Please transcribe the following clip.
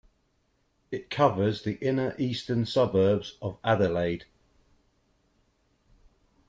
It covers the inner eastern suburbs of Adelaide.